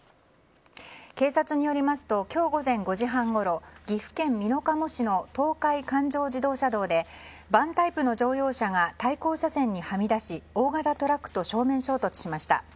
警察によりますと今日午前５時半ごろ岐阜県美濃加茂市の東海環状自動車道でバンタイプの乗用車が対向車線にはみ出し大型トラックと正面衝突しました。